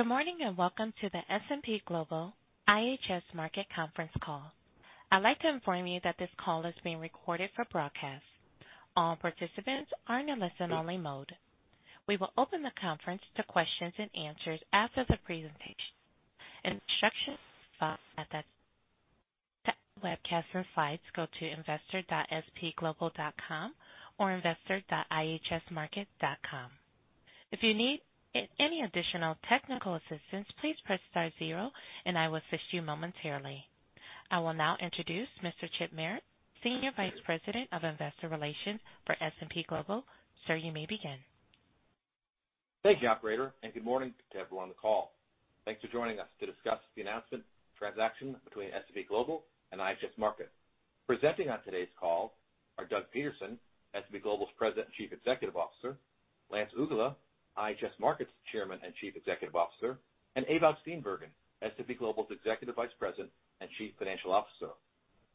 Good morning, and welcome to the S&P Global IHS Markit conference call. I'd like to inform you that this call is being recorded for broadcast. All participants are in a listen-only mode. We will open the conference to questions and answers after the presentation. Instructions follow. To access the webcast and slides, go to investor.spglobal.com or investor.ihsmarkit.com. If you need any additional technical assistance, please press star zero, and I will assist you momentarily. I will now introduce Mr. Chip Merritt, Senior Vice President of Investor Relations for S&P Global. Sir, you may begin. Thank you, Operator. Good morning to everyone on the call. Thanks for joining us to discuss the announcement of the transaction between S&P Global and IHS Markit. Presenting on today's call are Doug Peterson, S&P Global's President and Chief Executive Officer, Lance Uggla, IHS Markit's Chairman and Chief Executive Officer, and Ewout Steenbergen, S&P Global's Executive Vice President and Chief Financial Officer.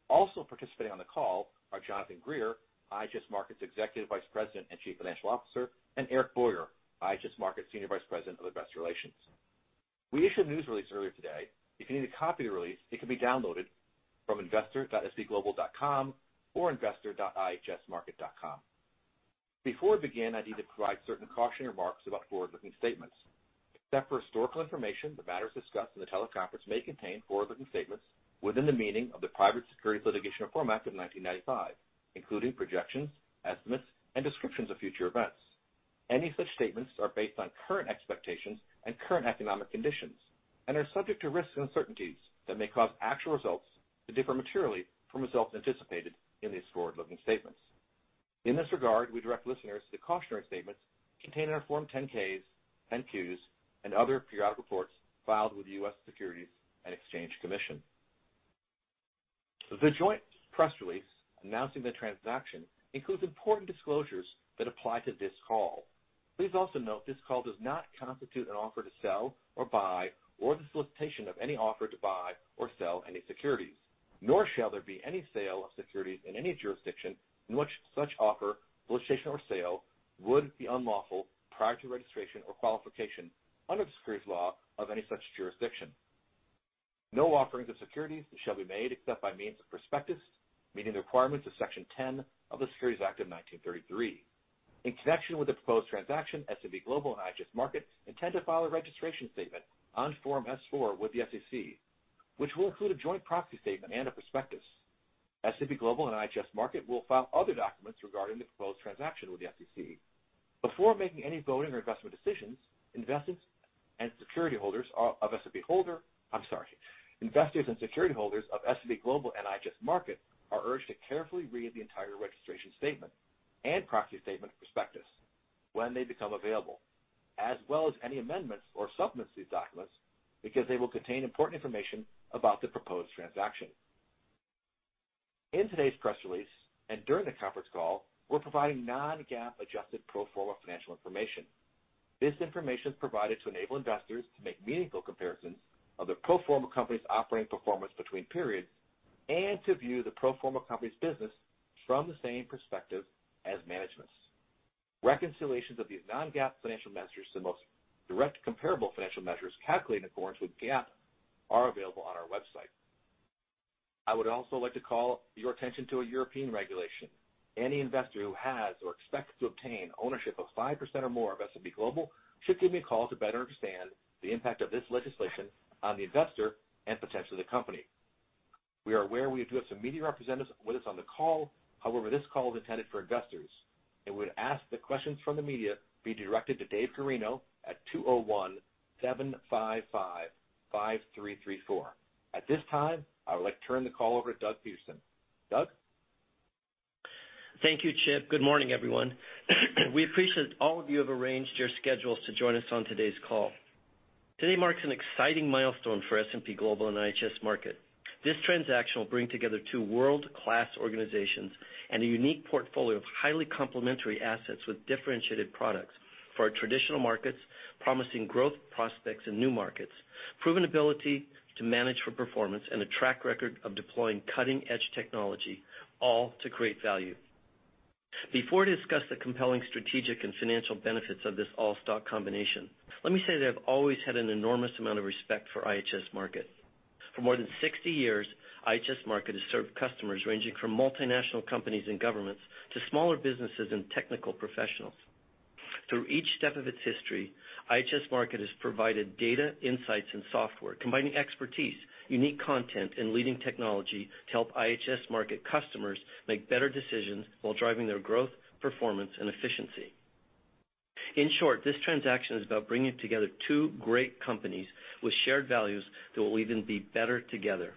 Also participating on the call are Jonathan Gear, IHS Markit's Executive Vice President and Chief Financial Officer, and Eric Boyer, IHS Markit's Senior Vice President of Investor Relations. We issued a news release earlier today. If you need a copy of the release, it can be downloaded from investor.spglobal.com or investor.ihsmarkit.com. Before we begin, I need to provide certain cautionary remarks about forward-looking statements. Except for historical information, the matters discussed in the teleconference may contain forward-looking statements within the meaning of the Private Securities Litigation Reform Act of 1995, including projections, estimates, and descriptions of future events. Any such statements are based on current expectations and current economic conditions and are subject to risks and uncertainties that may cause actual results to differ materially from results anticipated in these forward-looking statements. In this regard, we direct listeners to cautionary statements contained in our Form 10-Ks, 10-Qs, and other periodic reports filed with the U.S. Securities and Exchange Commission. The joint press release announcing the transaction includes important disclosures that apply to this call. Please also note this call does not constitute an offer to sell or buy or the solicitation of any offer to buy or sell any securities. Nor shall there be any sale of securities in any jurisdiction in which such offer, solicitation, or sale would be unlawful prior to registration or qualification under the securities law of any such jurisdiction. No offerings of securities shall be made except by means of prospectus, meeting the requirements of Section 10 of the Securities Act of 1933. In connection with the proposed transaction, S&P Global and IHS Markit intend to file a registration statement on Form S-4 with the SEC, which will include a joint proxy statement and a prospectus. S&P Global and IHS Markit will file other documents regarding the proposed transaction with the SEC. Before making any voting or investment decisions, investors and security holders of S&P Global and IHS Markit are urged to carefully read the entire registration statement and proxy statement prospectus when they become available, as well as any amendments or supplements to these documents, because they will contain important information about the proposed transaction. In today's press release, and during the conference call, we're providing non-GAAP adjusted pro forma financial information. This information is provided to enable investors to make meaningful comparisons of the pro forma company's operating performance between periods and to view the pro forma company's business from the same perspective as management's. Reconciliations of these non-GAAP financial measures to the most direct comparable financial measures calculated in accordance with GAAP are available on our website. I would also like to call your attention to a European regulation. Any investor who has or expects to obtain ownership of 5% or more of S&P Global should give me a call to better understand the impact of this legislation on the investor and potentially the company. We are aware we do have some media representatives with us on the call. This call is intended for investors and would ask that questions from the media be directed to Dave Corino at 201-755-5334. At this time, I would like to turn the call over to Doug Peterson. Doug? Thank you, Chip. Good morning, everyone. We appreciate all of you have arranged your schedules to join us on today's call. Today marks an exciting milestone for S&P Global and IHS Markit. This transaction will bring together two world-class organizations and a unique portfolio of highly complementary assets with differentiated products for our traditional markets, promising growth prospects in new markets, proven ability to manage for performance, and a track record of deploying cutting-edge technology, all to create value. Before I discuss the compelling strategic and financial benefits of this all-stock combination, let me say that I've always had an enormous amount of respect for IHS Markit. For more than 60 years, IHS Markit has served customers ranging from multinational companies and governments to smaller businesses and technical professionals. Through each step of its history, IHS Markit has provided data, insights, and software, combining expertise, unique content, and leading technology to help IHS Markit customers make better decisions while driving their growth, performance, and efficiency. In short, this transaction is about bringing together two great companies with shared values that will even be better together.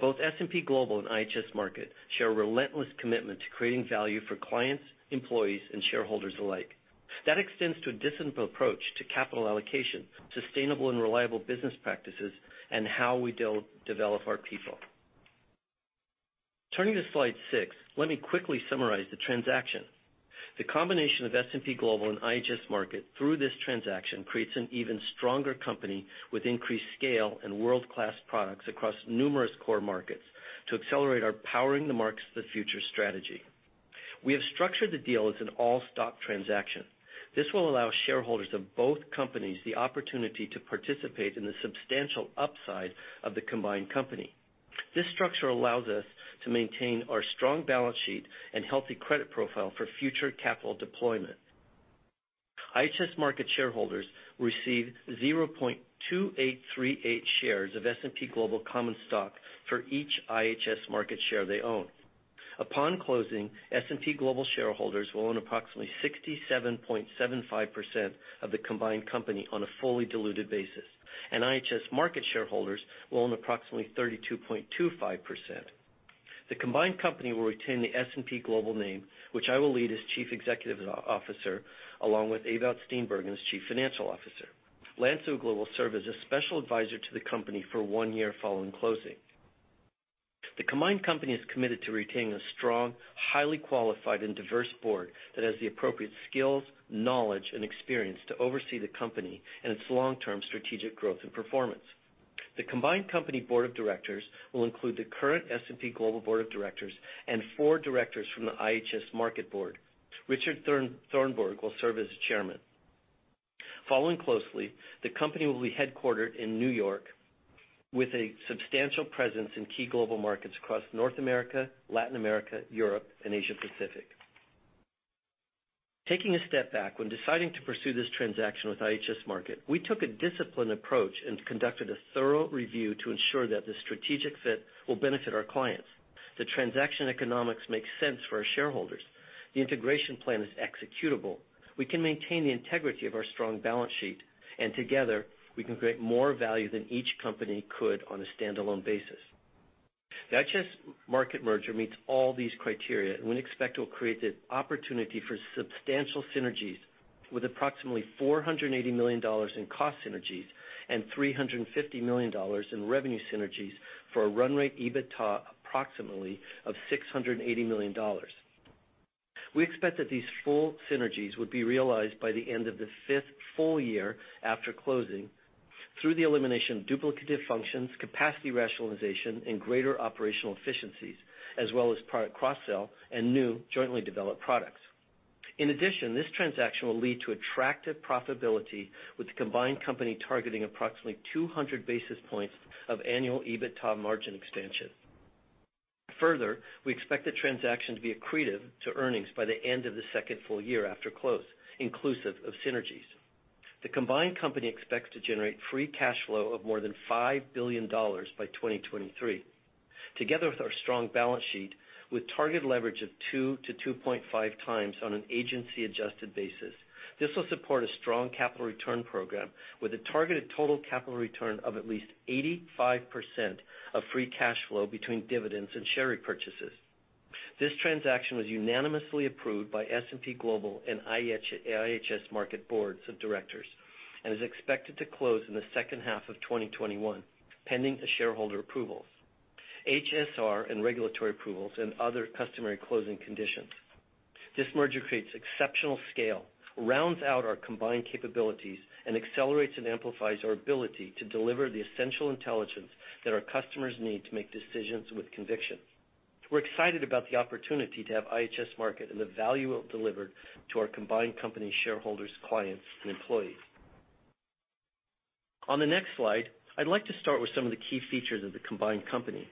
Both S&P Global and IHS Markit share a relentless commitment to creating value for clients, employees, and shareholders alike. That extends to a disciplined approach to capital allocation, sustainable and reliable business practices, and how we develop our people. Turning to slide six, let me quickly summarize the transaction. The combination of S&P Global and IHS Markit through this transaction creates an even stronger company with increased scale and world-class products across numerous core markets to accelerate our Powering the Markets of the Future strategy. We have structured the deal as an all-stock transaction. This will allow shareholders of both companies the opportunity to participate in the substantial upside of the combined company. This structure allows us to maintain our strong balance sheet and healthy credit profile for future capital deployment. IHS Markit shareholders will receive 0.2838 shares of S&P Global common stock for each IHS Markit share they own. Upon closing, S&P Global shareholders will own approximately 67.75% of the combined company on a fully diluted basis, and IHS Markit shareholders will own approximately 32.25%. The combined company will retain the S&P Global name, which I will lead as Chief Executive Officer, along with Ewout Steenbergen as Chief Financial Officer. Lance Uggla will serve as a special advisor to the company for one year following closing. The combined company is committed to retaining a strong, highly qualified, and diverse board that has the appropriate skills, knowledge, and experience to oversee the company and its long-term strategic growth and performance. The combined company board of directors will include the current S&P Global board of directors and four directors from the IHS Markit board. Richard Thornburgh will serve as chairman. Following closely, the company will be headquartered in New York with a substantial presence in key global markets across North America, Latin America, Europe, and Asia Pacific. Taking a step back, when deciding to pursue this transaction with IHS Markit, we took a disciplined approach and conducted a thorough review to ensure that the strategic fit will benefit our clients. The transaction economics makes sense for our shareholders. The integration plan is executable. We can maintain the integrity of our strong balance sheet, and together, we can create more value than each company could on a standalone basis. The IHS Markit merger meets all these criteria, and we expect it will create the opportunity for substantial synergies with approximately $480 million in cost synergies and $350 million in revenue synergies for a run rate EBITDA approximately of $680 million. We expect that these full synergies would be realized by the end of the fifth full year after closing through the elimination of duplicative functions, capacity rationalization, and greater operational efficiencies, as well as product cross-sell and new jointly developed products. In addition, this transaction will lead to attractive profitability with the combined company targeting approximately 200 basis points of annual EBITDA margin expansion. Further, we expect the transaction to be accretive to earnings by the end of the second full year after close, inclusive of synergies. The combined company expects to generate free cash flow of more than $5 billion by 2023. Together with our strong balance sheet with target leverage of 2x-2.5x on an agency-adjusted basis, this will support a strong capital return program with a targeted total capital return of at least 85% of free cash flow between dividends and share repurchases. This transaction was unanimously approved by S&P Global and IHS Markit boards of directors and is expected to close in the second half of 2021, pending shareholder approvals, HSR and regulatory approvals, and other customary closing conditions. This merger creates exceptional scale, rounds out our combined capabilities, and accelerates and amplifies our ability to deliver the essential intelligence that our customers need to make decisions with conviction. We're excited about the opportunity to have IHS Markit and the value it will deliver to our combined company shareholders, clients, and employees. On the next slide, I'd like to start with some of the key features of the combined company.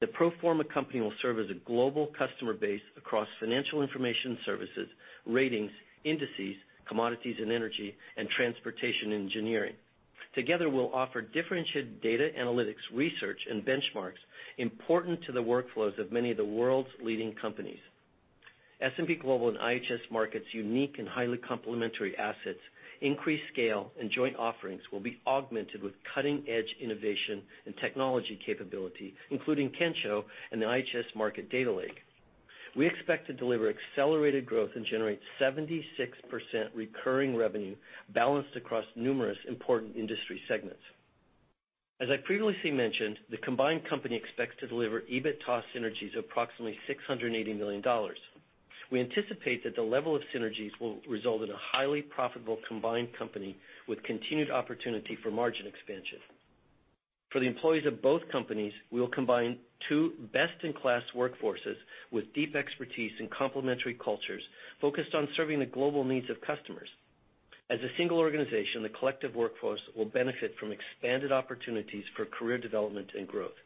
The pro forma company will serve as a global customer base across financial information services, ratings, indices, commodities and energy, and transportation and engineering. Together, we'll offer differentiated data analytics, research, and benchmarks important to the workflows of many of the world's leading companies. S&P Global and IHS Markit's unique and highly complementary assets, increased scale, and joint offerings will be augmented with cutting-edge innovation and technology capability, including Kensho and the IHS Markit Data Lake. We expect to deliver accelerated growth and generate 76% recurring revenue balanced across numerous important industry segments. As I previously mentioned, the combined company expects to deliver EBITDA synergies of approximately $680 million. We anticipate that the level of synergies will result in a highly profitable combined company with continued opportunity for margin expansion. For the employees of both companies, we will combine two best-in-class workforces with deep expertise and complementary cultures focused on serving the global needs of customers. As a single organization, the collective workforce will benefit from expanded opportunities for career development and growth.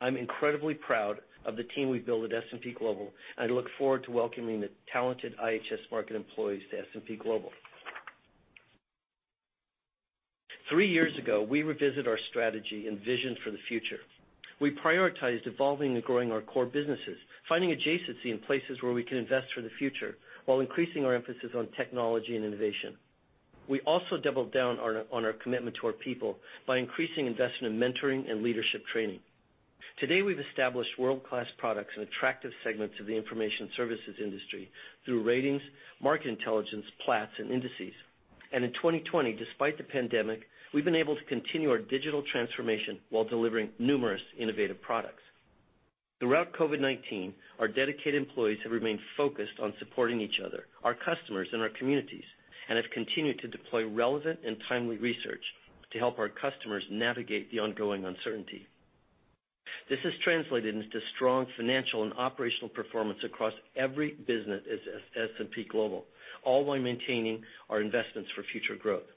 I'm incredibly proud of the team we've built at S&P Global, and I look forward to welcoming the talented IHS Markit employees to S&P Global. Three years ago, we revisit our strategy and vision for the future. We prioritized evolving and growing our core businesses, finding adjacency in places where we can invest for the future while increasing our emphasis on technology and innovation. We also doubled down on our commitment to our people by increasing investment in mentoring and leadership training. Today, we've established world-class products and attractive segments of the information services industry through ratings, Market Intelligence, Platts, and indices. In 2020, despite the pandemic, we've been able to continue our digital transformation while delivering numerous innovative products. Throughout COVID-19, our dedicated employees have remained focused on supporting each other, our customers, and our communities, and have continued to deploy relevant and timely research to help our customers navigate the ongoing uncertainty. This has translated into strong financial and operational performance across every business at S&P Global, all while maintaining our investments for future growth.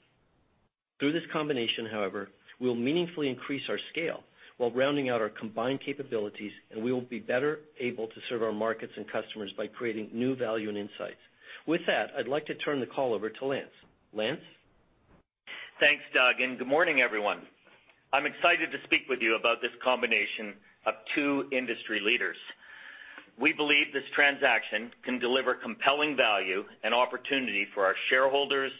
Through this combination, however, we'll meaningfully increase our scale while rounding out our combined capabilities. We will be better able to serve our markets and customers by creating new value and insights. With that, I'd like to turn the call over to Lance. Lance? Thanks, Doug. Good morning, everyone. I'm excited to speak with you about this combination of two industry leaders. We believe this transaction can deliver compelling value and opportunity for our shareholders,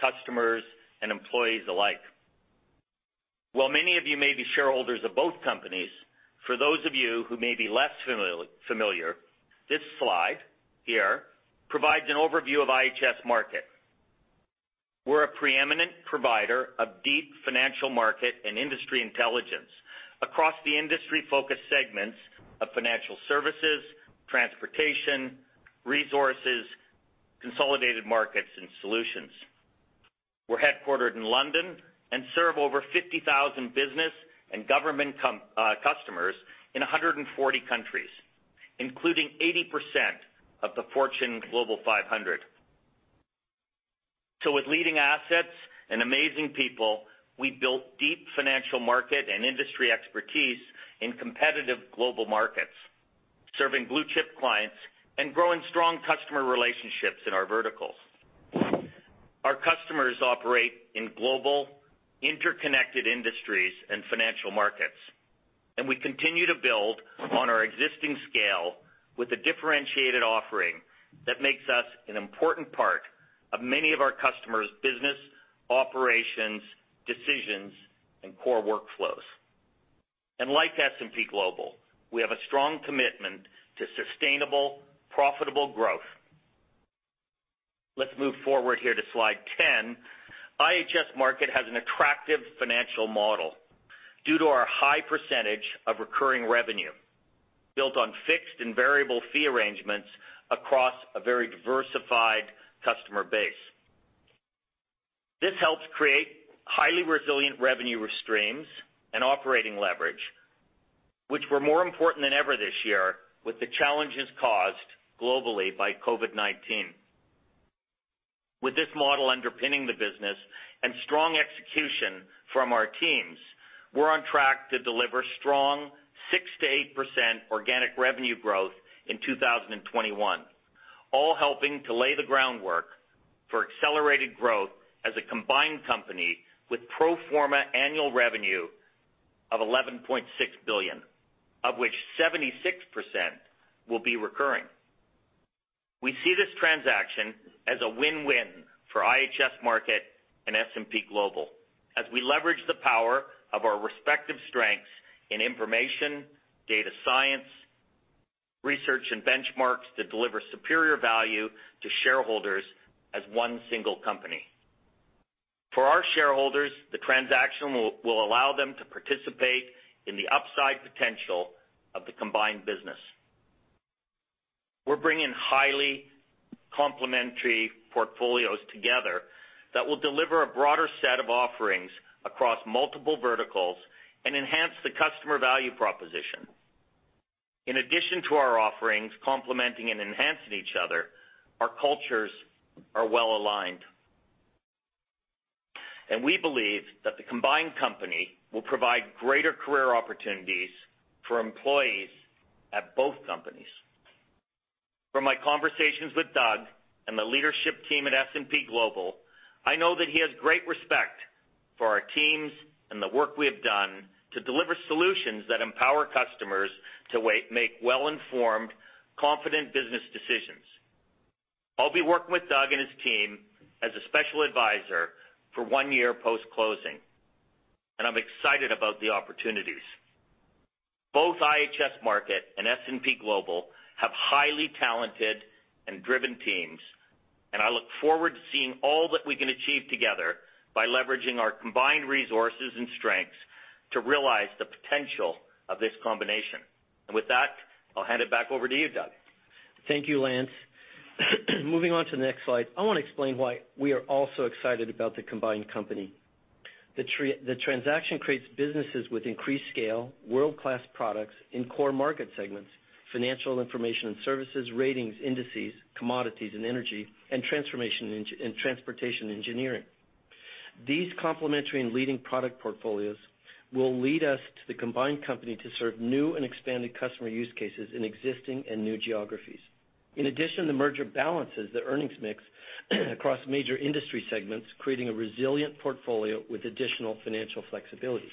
customers, and employees alike. While many of you may be shareholders of both companies, for those of you who may be less familiar, this slide here provides an overview of IHS Markit. We're a preeminent provider of deep financial market and industry intelligence across the industry focus segments of financial services, transportation, resources, consolidated markets, and solutions. We're headquartered in London and serve over 50,000 business and government customers in 140 countries, including 80% of the Fortune Global 500. With leading assets and amazing people, we built deep financial market and industry expertise in competitive global markets, serving blue-chip clients and growing strong customer relationships in our verticals. Our customers operate in global, interconnected industries and financial markets, and we continue to build on our existing scale with a differentiated offering that makes us an important part of many of our customers' business operations, decisions, and core workflows. Like S&P Global, we have a strong commitment to sustainable, profitable growth. Let's move forward here to slide 10. IHS Markit has an attractive financial model due to our high percentage of recurring revenue, built on fixed and variable fee arrangements across a very diversified customer base. This helps create highly resilient revenue streams and operating leverage, which were more important than ever this year with the challenges caused globally by COVID-19. With this model underpinning the business and strong execution from our teams, we're on track to deliver strong 6%-8% organic revenue growth in 2021, all helping to lay the groundwork for accelerated growth as a combined company with pro forma annual revenue of $11.6 billion, of which 76% will be recurring. We see this transaction as a win-win for IHS Markit and S&P Global as we leverage the power of our respective strengths in information, data science, research, and benchmarks to deliver superior value to shareholders as one single company. For our shareholders, the transaction will allow them to participate in the upside potential of the combined business. We're bringing highly complementary portfolios together that will deliver a broader set of offerings across multiple verticals and enhance the customer value proposition. In addition to our offerings complementing and enhancing each other, our cultures are well-aligned. We believe that the combined company will provide greater career opportunities for employees at both companies. From my conversations with Doug and the leadership team at S&P Global, I know that he has great respect for our teams and the work we have done to deliver solutions that empower customers to make well-informed, confident business decisions. I'll be working with Doug and his team as a special advisor for one year post-closing, and I'm excited about the opportunities. Both IHS Markit and S&P Global have highly talented and driven teams, and I look forward to seeing all that we can achieve together by leveraging our combined resources and strengths to realize the potential of this combination. With that, I'll hand it back over to you, Doug. Thank you, Lance. Moving on to the next slide. I want to explain why we are all so excited about the combined company. The transaction creates businesses with increased scale, world-class products in core market segments, financial information and services, ratings, indices, commodities and energy, and transportation engineering. These complementary and leading product portfolios will lead us to the combined company to serve new and expanded customer use cases in existing and new geographies. In addition, the merger balances the earnings mix across major industry segments, creating a resilient portfolio with additional financial flexibility.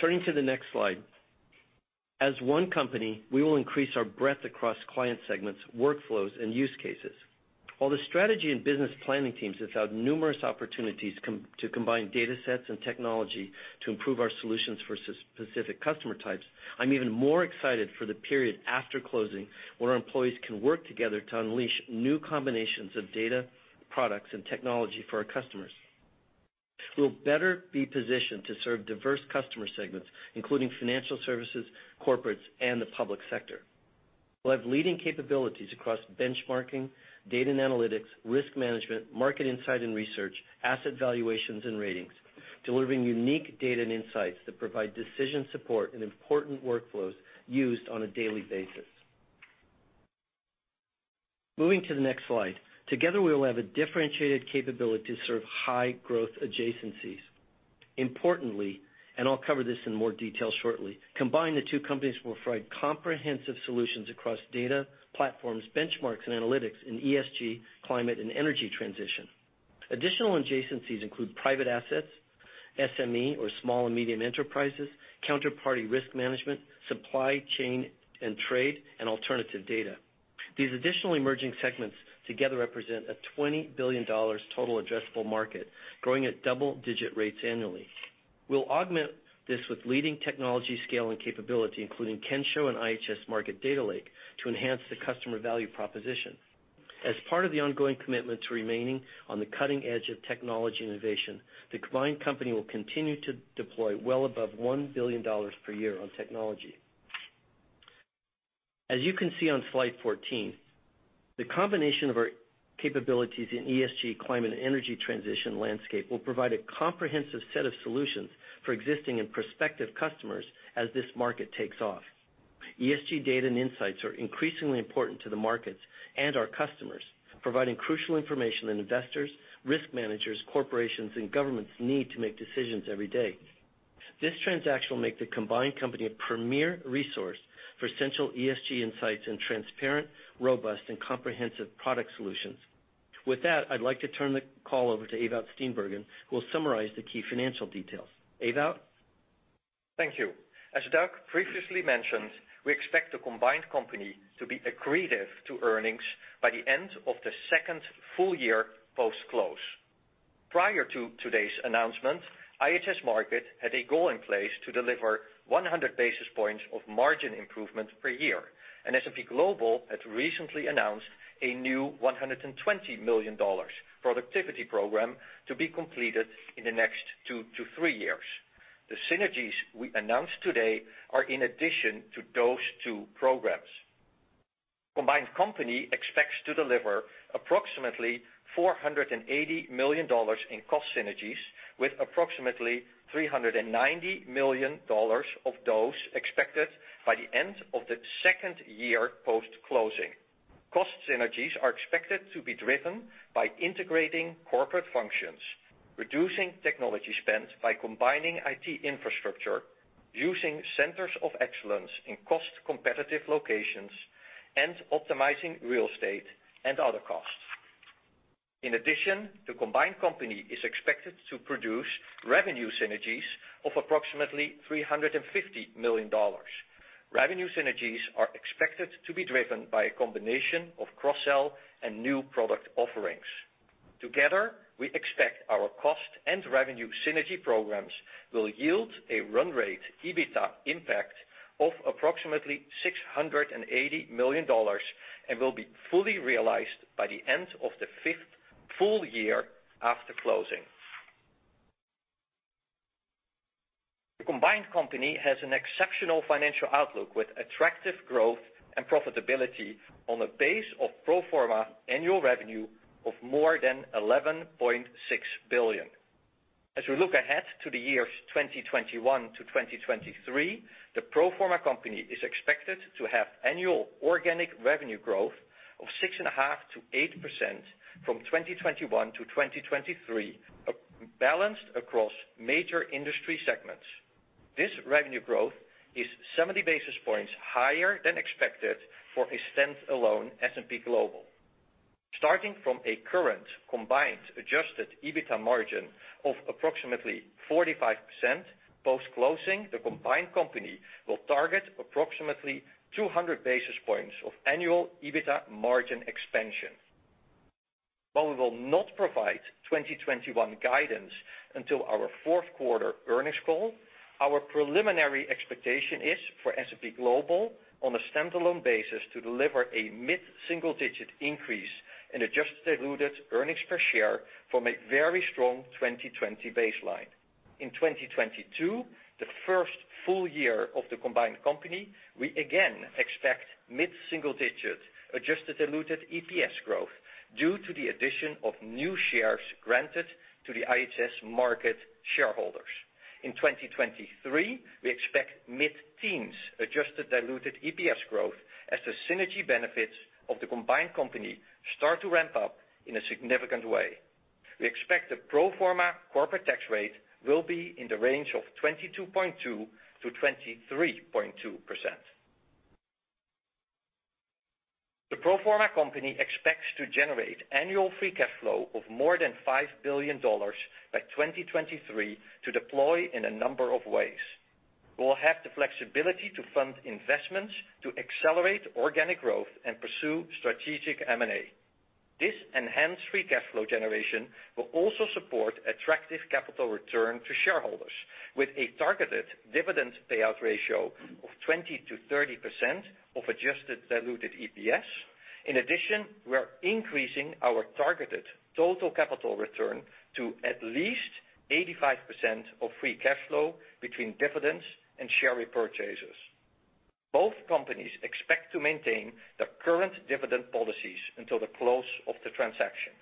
Turning to the next slide. As one company, we will increase our breadth across client segments, workflows, and use cases. While the strategy and business planning teams have found numerous opportunities to combine datasets and technology to improve our solutions for specific customer types, I'm even more excited for the period after closing where our employees can work together to unleash new combinations of data, products, and technology for our customers, who will better be positioned to serve diverse customer segments, including financial services, corporates, and the public sector. We'll have leading capabilities across benchmarking, data and analytics, risk management, market insight and research, asset valuations and ratings, delivering unique data and insights that provide decision support and important workflows used on a daily basis. Moving to the next slide. Together, we will have a differentiated capability to serve high growth adjacencies. Importantly, and I'll cover this in more detail shortly, combined, the two companies will provide comprehensive solutions across data, platforms, benchmarks, and analytics in ESG, climate, and energy transition. Additional adjacencies include private assets, SME or small and medium enterprises, counterparty risk management, supply chain and trade, and alternative data. These additional emerging segments together represent a $20 billion total addressable market, growing at double-digit rates annually. We'll augment this with leading technology scale and capability, including Kensho and IHS Markit Data Lake, to enhance the customer value proposition. As part of the ongoing commitment to remaining on the cutting edge of technology innovation, the combined company will continue to deploy well above $1 billion per year on technology. As you can see on slide 14, the combination of our capabilities in ESG, climate, and energy transition landscape will provide a comprehensive set of solutions for existing and prospective customers as this market takes off. ESG data and insights are increasingly important to the markets and our customers, providing crucial information that investors, risk managers, corporations, and governments need to make decisions every day. This transaction will make the combined company a premier resource for essential ESG insights and transparent, robust, and comprehensive product solutions. With that, I'd like to turn the call over to Ewout Steenbergen, who will summarize the key financial details. Ewout? Thank you. As Doug previously mentioned, we expect the combined company to be accretive to earnings by the end of the second full year post-close. Prior to today's announcement, IHS Markit had a goal in place to deliver 100 basis points of margin improvement per year, and S&P Global had recently announced a new $120 million productivity program to be completed in the next two-three years. The synergies we announced today are in addition to those two programs. Combined company expects to deliver approximately $480 million in cost synergies with approximately $390 million of those expected by the end of the second year post-closing. Cost synergies are expected to be driven by integrating corporate functions, reducing technology spend by combining IT infrastructure, using centers of excellence in cost-competitive locations, and optimizing real estate and other costs. In addition, the combined company is expected to produce revenue synergies of approximately $350 million. Revenue synergies are expected to be driven by a combination of cross-sell and new product offerings. Together, we expect our cost and revenue synergy programs will yield a run rate EBITA impact of approximately $680 million and will be fully realized by the end of the fifth full year after closing. The combined company has an exceptional financial outlook with attractive growth and profitability on a base of pro forma annual revenue of more than $11.6 billion. As we look ahead to the years 2021-2023, the pro forma company is expected to have annual organic revenue growth of 6.5%-8% from 2021-2023, balanced across major industry segments. This revenue growth is 70 basis points higher than expected for a standalone S&P Global. Starting from a current combined adjusted EBITA margin of approximately 45%, post-closing, the combined company will target approximately 200 basis points of annual EBITA margin expansion. While we will not provide 2021 guidance until our fourth quarter earnings call, our preliminary expectation is for S&P Global on a standalone basis to deliver a mid-single-digit increase in adjusted diluted earnings per share from a very strong 2020 baseline. In 2022, the first full year of the combined company, we again expect mid-single-digit adjusted diluted EPS growth due to the addition of new shares granted to the IHS Markit shareholders. In 2023, we expect mid-teens adjusted diluted EPS growth as the synergy benefits of the combined company start to ramp up in a significant way. We expect the pro forma corporate tax rate will be in the range of 22.2%-23.2%. The pro forma company expects to generate annual free cash flow of more than $5 billion by 2023 to deploy in a number of ways. We'll have the flexibility to fund investments to accelerate organic growth and pursue strategic M&A. This enhanced free cash flow generation will also support attractive capital return to shareholders with a targeted dividend payout ratio of 20%-30% of adjusted diluted EPS. In addition, we are increasing our targeted total capital return to at least 85% of free cash flow between dividends and share repurchases. Both companies expect to maintain their current dividend policies until the close of the transaction.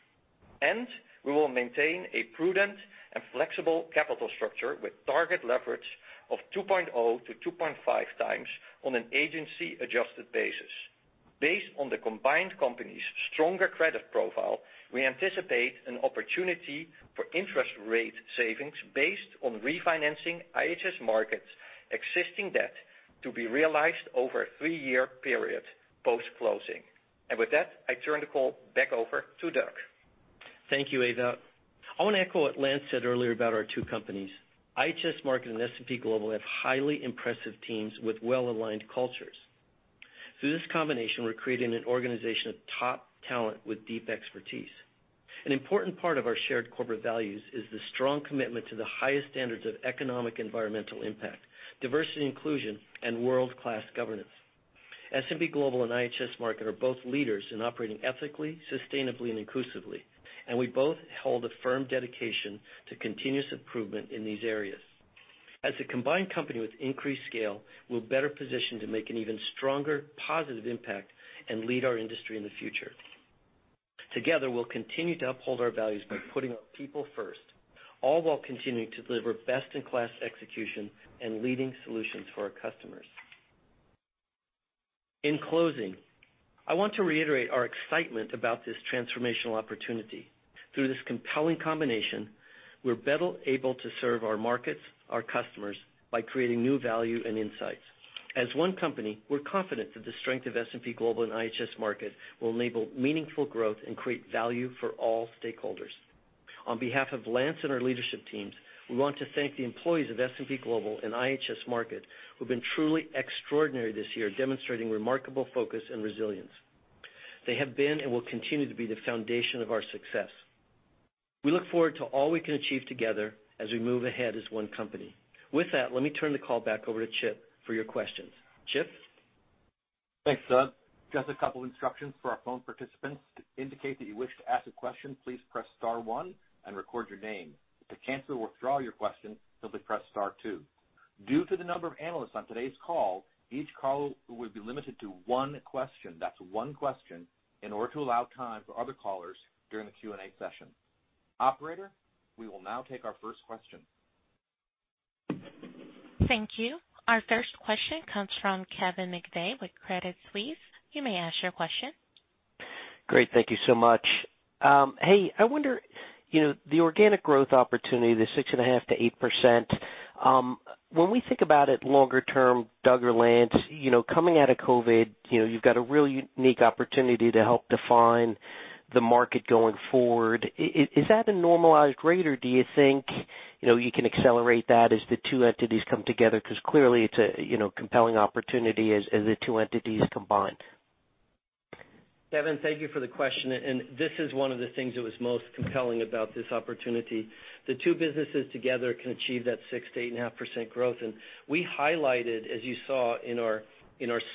We will maintain a prudent and flexible capital structure with target leverage of 2.0x-2.5x on an agency-adjusted basis. Based on the combined company's stronger credit profile, we anticipate an opportunity for interest rate savings based on refinancing IHS Markit's existing debt to be realized over a three-year period post-closing. With that, I turn the call back over to Doug. Thank you, Ewout. I want to echo what Lance said earlier about our two companies. IHS Markit and S&P Global have highly impressive teams with well-aligned cultures. Through this combination, we're creating an organization of top talent with deep expertise. An important part of our shared corporate values is the strong commitment to the highest standards of economic environmental impact, diversity and inclusion, and world-class governance. S&P Global and IHS Markit are both leaders in operating ethically, sustainably, and inclusively, and we both hold a firm dedication to continuous improvement in these areas. As a combined company with increased scale, we're better positioned to make an even stronger positive impact and lead our industry in the future. Together, we'll continue to uphold our values by putting our people first, all while continuing to deliver best-in-class execution and leading solutions for our customers. In closing, I want to reiterate our excitement about this transformational opportunity. Through this compelling combination, we're better able to serve our markets, our customers, by creating new value and insights. As one company, we're confident that the strength of S&P Global and IHS Markit will enable meaningful growth and create value for all stakeholders. On behalf of Lance and our leadership teams, we want to thank the employees of S&P Global and IHS Markit, who've been truly extraordinary this year, demonstrating remarkable focus and resilience. They have been, and will continue to be, the foundation of our success. We look forward to all we can achieve together as we move ahead as one company. With that, let me turn the call back over to Chip for your questions. Chip? Thanks, Doug. Just a couple instructions for our phone participants. To indicate that you wish to ask a question, please press star one and record your name. To cancel or withdraw your question, simply press star two. Due to the number of analysts on today's call, each caller will be limited to one question. That's one question, in order to allow time for other callers during the Q&A session. Operator, we will now take our first question. Thank you. Our first question comes from Kevin McVeigh with Credit Suisse. You may ask your question. Great. Thank you so much. Hey, I wonder, the organic growth opportunity, the 6.5%-8%, when we think about it longer term, Doug or Lance, coming out of COVID-19, you've got a really unique opportunity to help define the market going forward. Is that a normalized rate, or do you think you can accelerate that as the two entities come together? Clearly, it's a compelling opportunity as the two entities combine. Kevin, thank you for the question. This is one of the things that was most compelling about this opportunity. The two businesses together can achieve that 6%-8.5% growth. We highlighted, as you saw in our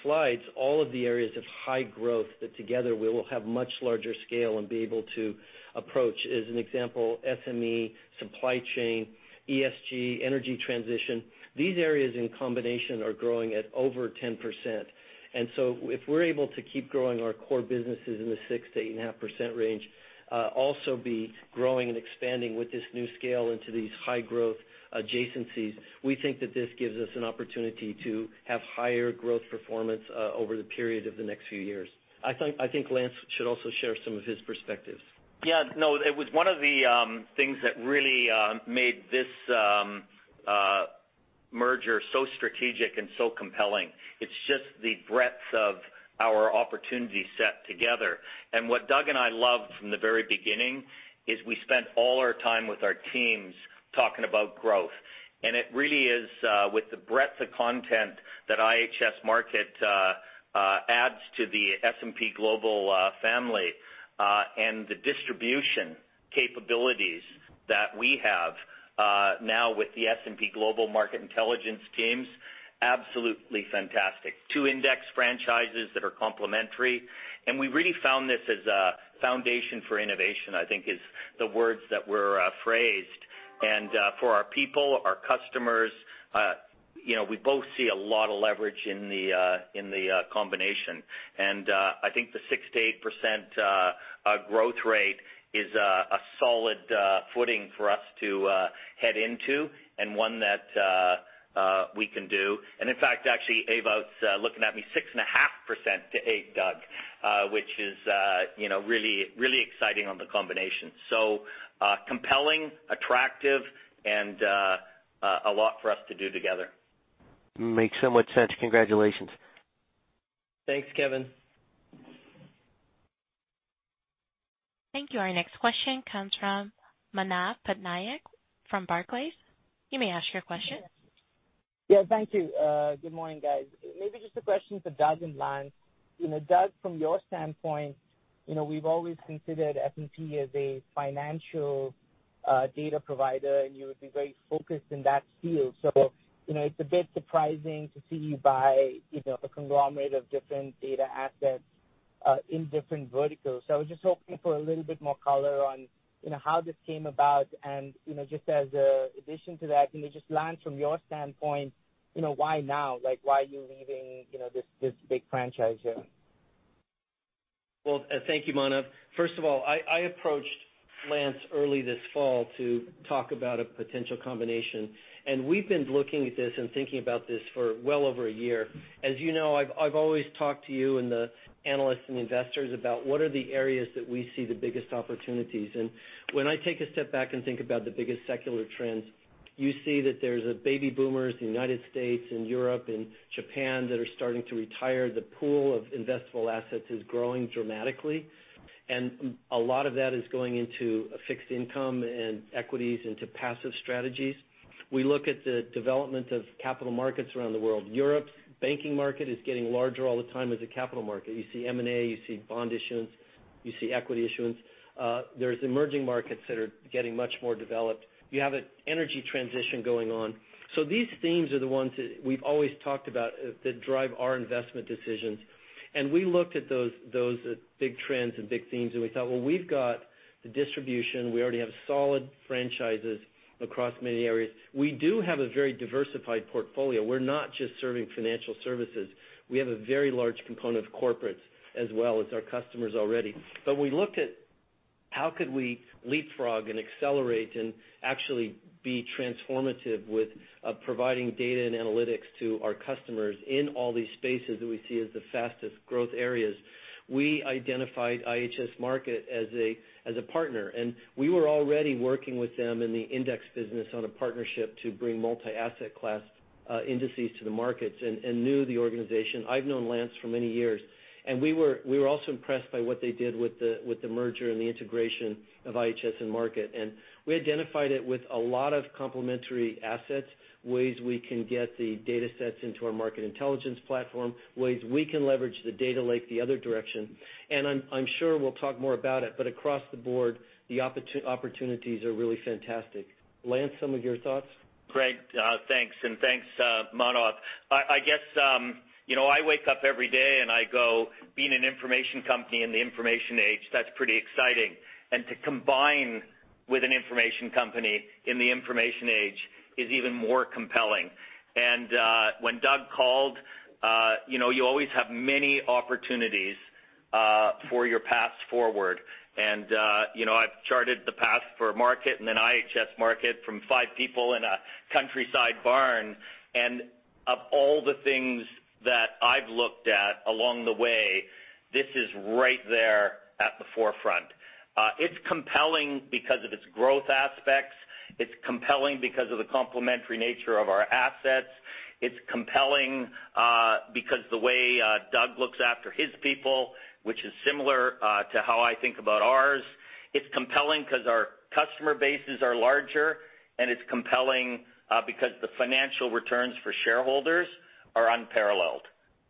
slides, all of the areas of high growth that together will have much larger scale and be able to approach. As an example, SME, supply chain, ESG, energy transition. These areas in combination are growing at over 10%. If we're able to keep growing our core businesses in the 6%-8.5% range, also be growing and expanding with this new scale into these high-growth adjacencies, we think that this gives us an opportunity to have higher growth performance over the period of the next few years. I think Lance should also share some of his perspectives. Yeah, no, it was one of the things that really made this merger so strategic and so compelling. It's just the breadth of our opportunity set together. What Doug and I loved from the very beginning is we spent all our time with our teams talking about growth. It really is with the breadth of content that IHS Markit adds to the S&P Global family, and the distribution capabilities that we have now with the S&P Global Market Intelligence teams, absolutely fantastic. Two index franchises that are complementary, and we really found this as a foundation for innovation, I think is the words that were phrased. For our people, our customers, we both see a lot of leverage in the combination. I think the 6%-8% growth rate is a solid footing for us to head into and one that we can do. In fact, actually, Ewout's looking at me, 6.5%-8%, Doug, which is really exciting on the combination. Compelling, attractive, and a lot for us to do together. Makes so much sense. Congratulations. Thanks, Kevin. Thank you. Our next question comes from Manav Patnaik from Barclays. You may ask your question. Yeah, thank you. Good morning, guys. Maybe just a question for Doug and Lance. Doug, from your standpoint. We've always considered S&P as a financial data provider, and you would be very focused in that field. It's a bit surprising to see you buy a conglomerate of different data assets in different verticals. I was just hoping for a little bit more color on how this came about and, just as addition to that, can you just Lance from your standpoint, why now? Why are you leaving this big franchise here? Well, thank you, Manav. First of all, I approached Lance early this fall to talk about a potential combination, and we've been looking at this and thinking about this for well over a year. As you know, I've always talked to you and the analysts and investors about what are the areas that we see the biggest opportunities. When I take a step back and think about the biggest secular trends, you see that there's the baby boomers, U.S. and Europe and Japan that are starting to retire. The pool of investable assets is growing dramatically, and a lot of that is going into fixed income and equities into passive strategies. We look at the development of capital markets around the world. Europe's banking market is getting larger all the time as a capital market. You see M&A, you see bond issuance, you see equity issuance. There's emerging markets that are getting much more developed. You have an energy transition going on. These themes are the ones that we've always talked about that drive our investment decisions. We looked at those big trends and big themes, and we thought, well, we've got the distribution. We already have solid franchises across many areas. We do have a very diversified portfolio. We're not just serving financial services. We have a very large component of corporates as well as our customers already. We looked at how could we leapfrog and accelerate and actually be transformative with providing data and analytics to our customers in all these spaces that we see as the fastest growth areas. We identified IHS Markit as a partner, we were already working with them in the index business on a partnership to bring multi-asset class indices to the markets and knew the organization. I've known Lance for many years, we were also impressed by what they did with the merger and the integration of IHS and Markit. We identified it with a lot of complementary assets, ways we can get the data sets into our Market Intelligence platform, ways we can leverage the Data Lake the other direction. I'm sure we'll talk more about it, across the board, the opportunities are really fantastic. Lance, some of your thoughts? Doug, thanks, and thanks, Manav. I wake up every day, and I go, being an information company in the information age, that's pretty exciting. To combine with an information company in the information age is even more compelling. When Doug called, you always have many opportunities for your path forward. I've charted the path for Markit and then IHS Markit from five people in a countryside barn. Of all the things that I've looked at along the way, this is right there at the forefront. It's compelling because of its growth aspects. It's compelling because of the complementary nature of our assets. It's compelling because the way Doug looks after his people, which is similar to how I think about ours. It's compelling because our customer bases are larger, and it's compelling because the financial returns for shareholders are unparalleled.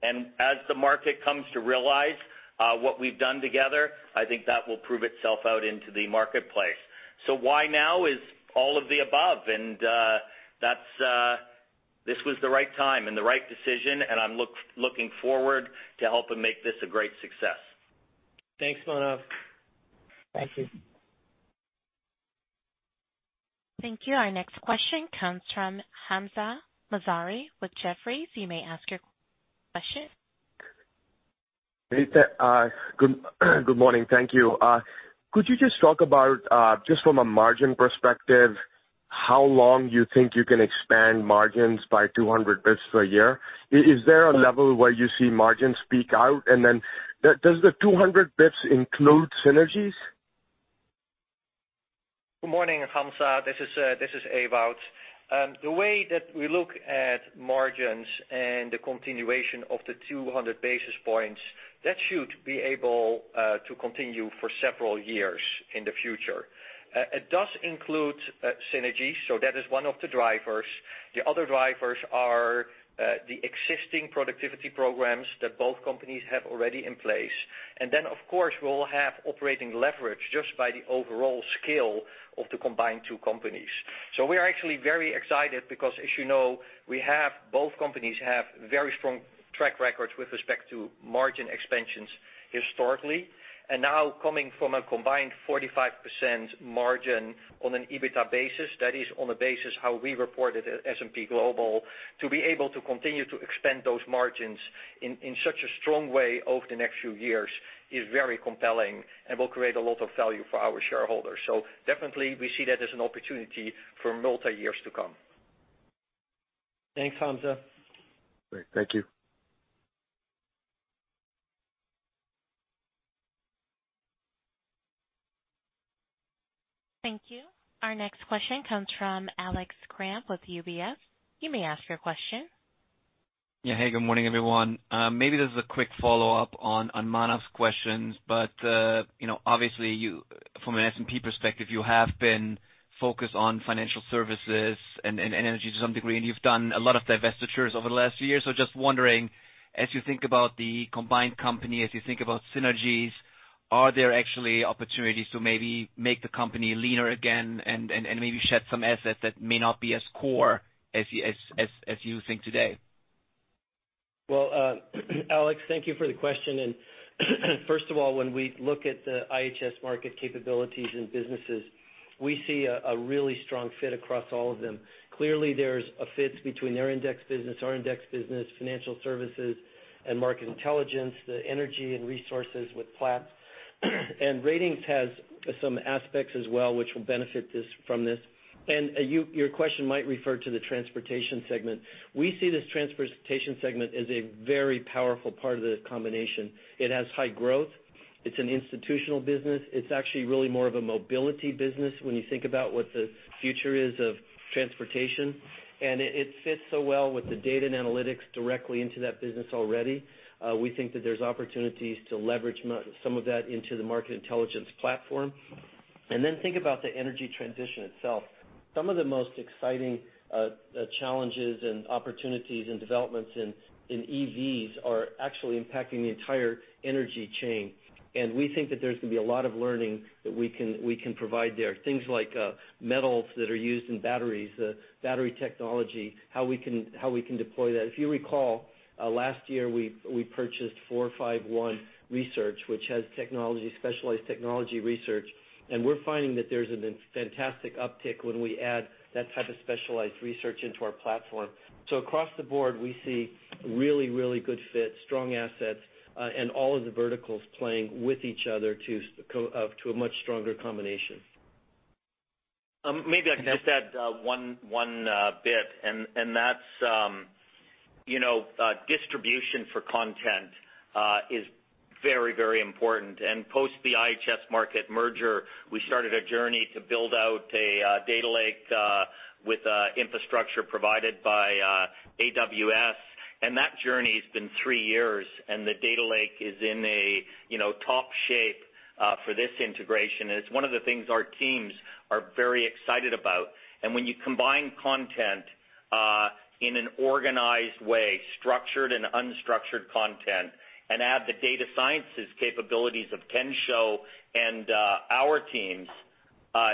As the market comes to realize what we've done together, I think that will prove itself out into the marketplace. Why now is all of the above, and this was the right time and the right decision, and I'm looking forward to helping make this a great success. Thanks, Manav. Thank you. Thank you. Our next question comes from Hamzah Mazari with Jefferies. You may ask your question. Good morning. Thank you. Could you just talk about, just from a margin perspective, how long you think you can expand margins by 200 basis points per year? Is there a level where you see margins peak out? Does the 200 basis points include synergies? Good morning, Hamzah. This is Ewout. The way that we look at margins and the continuation of the 200 basis points, that should be able to continue for several years in the future. It does include synergies, so that is one of the drivers. The other drivers are the existing productivity programs that both companies have already in place. Then, of course, we'll have operating leverage just by the overall scale of the combined two companies. We are actually very excited because as you know, both companies have very strong track records with respect to margin expansions historically. Now coming from a combined 45% margin on an EBITDA basis, that is on a basis how we reported S&P Global, to be able to continue to expand those margins in such a strong way over the next few years is very compelling and will create a lot of value for our shareholders. Definitely we see that as an opportunity for multi years to come. Thanks, Hamzah. Great. Thank you. Thank you. Our next question comes from Alex Kramm with UBS. You may ask your question. Yeah. Hey, good morning, everyone. Maybe this is a quick follow-up on Manav's questions, but, obviously from an S&P perspective, you have been focused on financial services and energy to some degree, and you've done a lot of divestitures over the last few years. Just wondering. As you think about the combined company, as you think about synergies, are there actually opportunities to maybe make the company leaner again and maybe shed some assets that may not be as core as you think today? Well, Alex, thank you for the question. First of all, when we look at the IHS Markit capabilities and businesses, we see a really strong fit across all of them. Clearly, there's a fit between their index business, our index business, Financial Services, and Market Intelligence, the Energy and Resources with Platts. Ratings has some aspects as well, which will benefit from this. Your question might refer to the Transportation segment. We see this Transportation segment as a very powerful part of the combination. It has high growth. It's an institutional business. It's actually really more of a mobility business when you think about what the future is of transportation. It fits so well with the data and analytics directly into that business already. We think that there's opportunities to leverage some of that into the Market Intelligence platform. Then think about the energy transition itself. Some of the most exciting challenges and opportunities and developments in EVs are actually impacting the entire energy chain. We think that there's going to be a lot of learning that we can provide there. Things like metals that are used in batteries, battery technology, how we can deploy that. If you recall, last year, we purchased 451 Research, which has specialized technology research, and we're finding that there's a fantastic uptick when we add that type of specialized research into our platform. Across the board, we see really good fit, strong assets, and all of the verticals playing with each other to a much stronger combination. Maybe I can just add one bit. That's distribution for content is very important. Post the IHS Markit merger, we started a journey to build out a data lake with infrastructure provided by AWS. That journey has been three years. The data lake is in a top shape for this integration. It's one of the things our teams are very excited about. When you combine content in an organized way, structured and unstructured content, and add the data sciences capabilities of Kensho and our teams,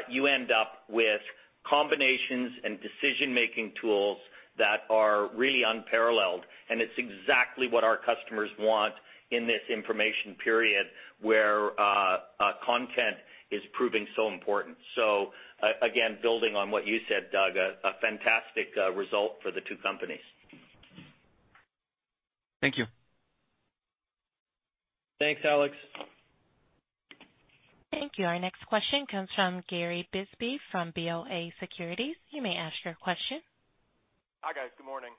you end up with combinations and decision-making tools that are really unparalleled. It's exactly what our customers want in this information period where content is proving so important. Again, building on what you said, Doug, a fantastic result for the two companies. Thank you. Thanks, Alex. Thank you. Our next question comes from Gary Bisbee from BOA Securities. You may ask your question. Hi, guys. Good morning.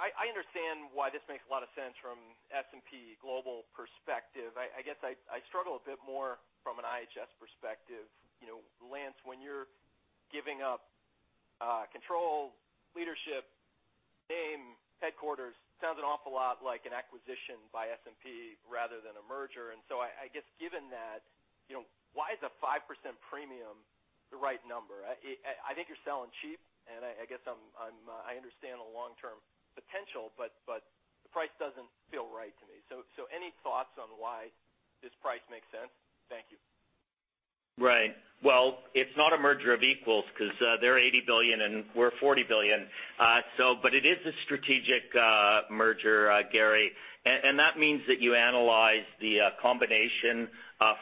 I understand why this makes a lot of sense from S&P Global perspective. I guess I struggle a bit more from an IHS perspective. Lance, when you're giving up control, leadership, name, headquarters, sounds an awful lot like an acquisition by S&P rather than a merger. I guess given that, why is a 5% premium the right number? I think you're selling cheap, and I guess I understand the long-term potential, but the price doesn't feel right to me. Any thoughts on why this price makes sense? Thank you. Right. Well, it's not a merger of equals because they're $80 billion and we're $40 billion. It is a strategic merger, Gary, and that means that you analyze the combination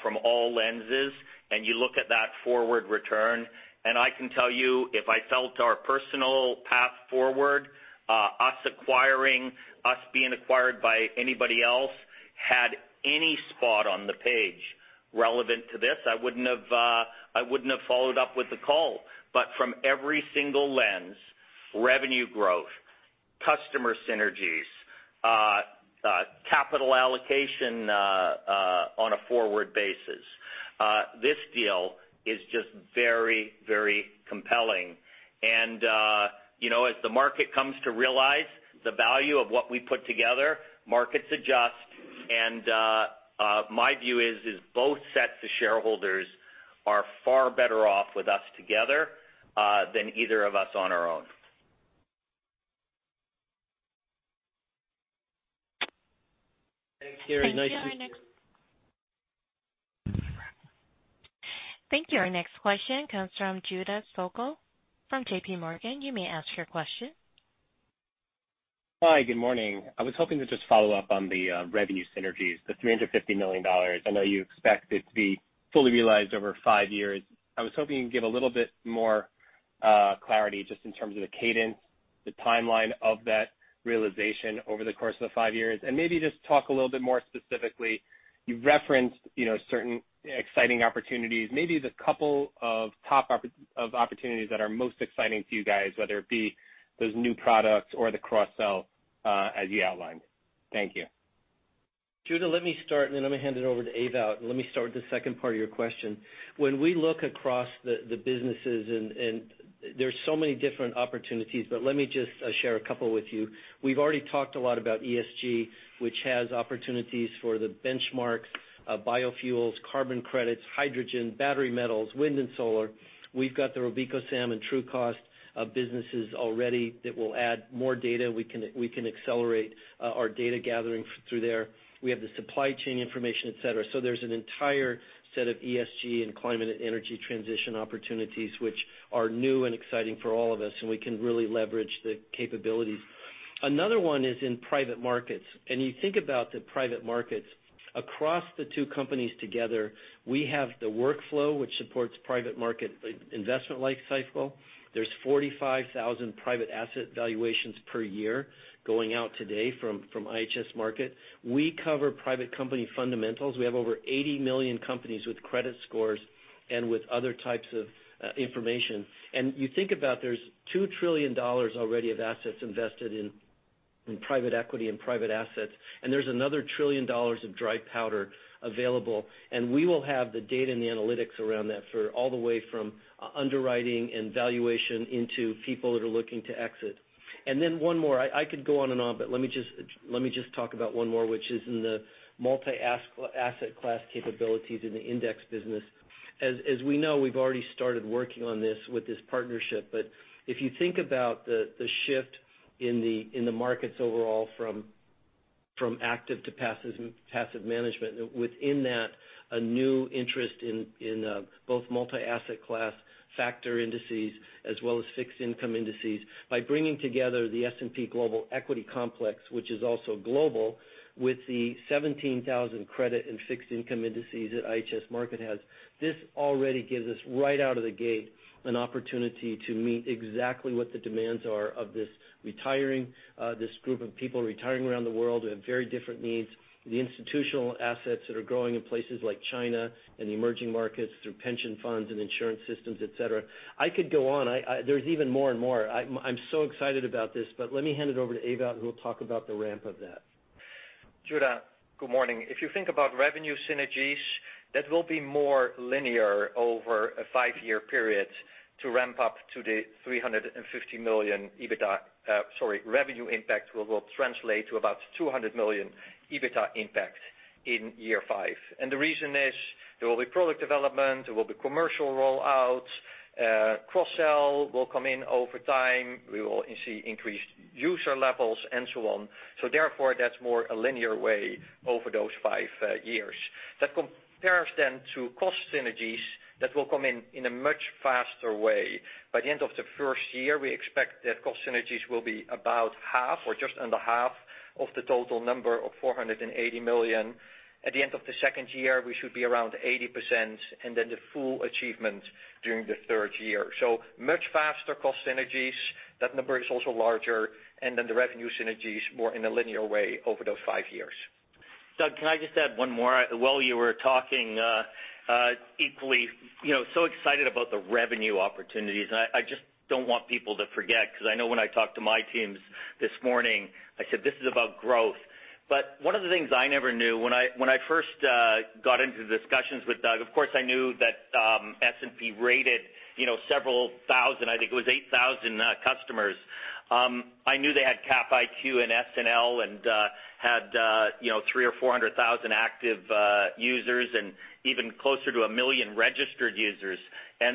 from all lenses, and you look at that forward return. I can tell you, if I felt our personal path forward, us acquiring, us being acquired by anybody else, had any spot on the page relevant to this, I wouldn't have followed up with the call. From every single lens, revenue growth, customer synergies, capital allocation on a forward basis, this deal is just very compelling. As the market comes to realize the value of what we put together, markets adjust. My view is both sets of shareholders are far better off with us together than either of us on our own. Thanks, Gary. Nice to see you. Thank you. Our next question comes from Judah Sokol from JPMorgan. You may ask your question. Hi, good morning. I was hoping to just follow up on the revenue synergies, the $350 million. I know you expect it to be fully realized over five years. I was hoping you'd give a little bit more clarity just in terms of the cadence, the timeline of that realization over the course of the five years. Maybe just talk a little bit more specifically, you referenced certain exciting opportunities. Maybe the couple of top opportunities that are most exciting to you guys, whether it be those new products or the cross-sell as you outlined. Thank you. Judah, let me start, and then I'm going to hand it over to Ewout. Let me start with the second part of your question. When we look across the businesses, and there's so many different opportunities, but let me just share a couple with you. We've already talked a lot about ESG, which has opportunities for the benchmarks, biofuels, carbon credits, hydrogen, battery metals, wind, and solar. We've got the RobecoSAM, SAM, and Trucost businesses already that will add more data. We can accelerate our data gathering through there. We have the supply chain information, et cetera. There's an entire set of ESG and climate and energy transition opportunities which are new and exciting for all of us, and we can really leverage the capabilities. Another one is in private markets. You think about the private markets across the two companies together, we have the workflow, which supports private market investment lifecycle. There's 45,000 private asset valuations per year going out today from IHS Markit. We cover private company fundamentals. We have over 80 million companies with credit scores and with other types of information. You think about there's $2 trillion already of assets invested in private equity and private assets, and there's another $1 trillion of dry powder available. We will have the data and the analytics around that for all the way from underwriting and valuation into people that are looking to exit. One more. I could go on and on, but let me just talk about one more, which is in the multi-asset class capabilities in the index business. As we know, we've already started working on this with this partnership. If you think about the shift in the markets overall from active to passive management, within that, a new interest in both multi-asset class factor indices as well as fixed income indices. By bringing together the S&P Global equity complex, which is also global, with the 17,000 credit and fixed income indices that IHS Markit has, this already gives us right out of the gate an opportunity to meet exactly what the demands are of this group of people retiring around the world who have very different needs. The institutional assets that are growing in places like China and the emerging markets through pension funds and insurance systems, et cetera. I could go on. There's even more and more. I'm so excited about this, but let me hand it over to Ewout, who will talk about the ramp of that. Judah, good morning. If you think about revenue synergies, that will be more linear over a five-year period to ramp up to the $350 million revenue impact, which will translate to about $200 million EBITDA impact in year five. The reason is there will be product development, there will be commercial rollouts, cross-sell will come in over time. We will see increased user levels and so on. Therefore, that's more a linear way over those five years. That compares to cost synergies that will come in in a much faster way. By the end of the first year, we expect that cost synergies will be about half or just under half of the total number of $480 million. At the end of the second year, we should be around 80%, and the full achievement during the third year. Much faster cost synergies. That number is also larger, and then the revenue synergies more in a linear way over those five years. Doug, can I just add one more? While you were talking, equally so excited about the revenue opportunities. I just don't want people to forget, because I know when I talked to my teams this morning, I said, "This is about growth." One of the things I never knew when I first got into discussions with Doug, of course, I knew that S&P rated several thousand, I think it was 8,000 customers. I knew they had Capital IQ and SNL and had 300,000 or 400,000 active users and even closer to a million registered users. That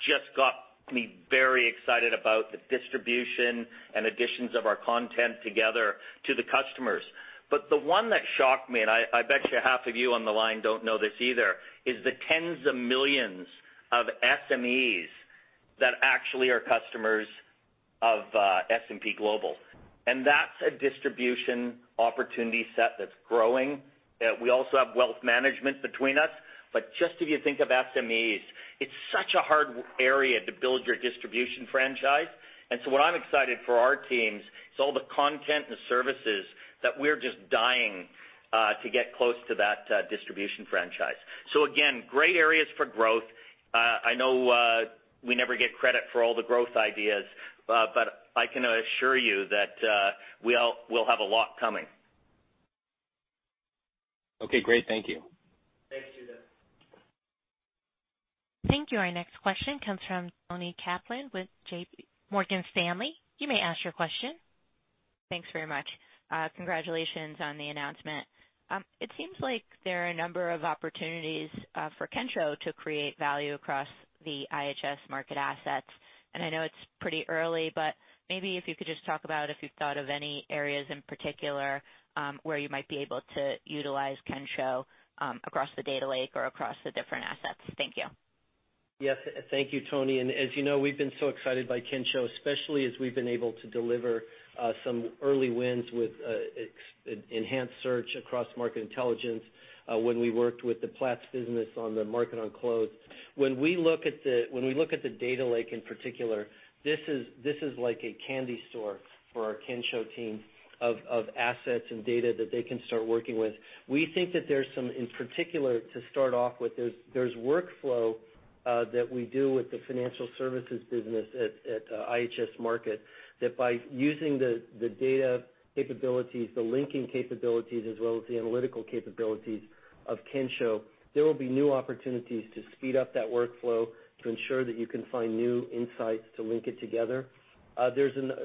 just got me very excited about the distribution and additions of our content together to the customers. The one that shocked me, and I bet you half of you on the line don't know this either, is the tens of millions of SMEs that actually are customers of S&P Global. That's a distribution opportunity set that's growing. We also have wealth management between us. Just if you think of SMEs, it's such a hard area to build your distribution franchise. What I'm excited for our teams is all the content and the services that we're just dying to get close to that distribution franchise. Again, great areas for growth. I know we never get credit for all the growth ideas, but I can assure you that we'll have a lot coming. Okay, great. Thank you. Thanks, Judah. Thank you. Our next question comes from Toni Kaplan with Morgan Stanley. You may ask your question. Thanks very much. Congratulations on the announcement. It seems like there are a number of opportunities for Kensho to create value across the IHS Markit assets. I know it's pretty early, but maybe if you could just talk about if you've thought of any areas in particular where you might be able to utilize Kensho across the Data Lake or across the different assets. Thank you. Yes. Thank you, Toni. As you know, we've been so excited by Kensho, especially as we've been able to deliver some early wins with enhanced search across market intelligence when we worked with the Platts business on the Market on Close. When we look at the data lake in particular, this is like a candy store for our Kensho team of assets and data that they can start working with. We think that there's some, in particular, to start off with, there's workflow that we do with the financial services business at IHS Markit, that by using the data capabilities, the linking capabilities, as well as the analytical capabilities of Kensho, there will be new opportunities to speed up that workflow to ensure that you can find new insights to link it together.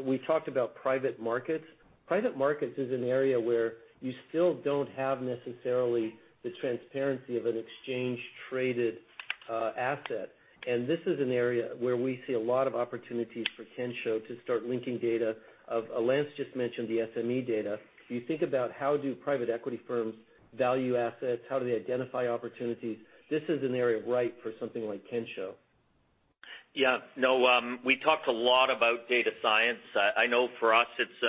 We talked about private markets. Private markets is an area where you still don't have necessarily the transparency of an exchange-traded asset. This is an area where we see a lot of opportunities for Kensho to start linking data. Lance just mentioned the SME data. If you think about how do private equity firms value assets, how do they identify opportunities? This is an area ripe for something like Kensho. No, we talked a lot about data science. I know for us it's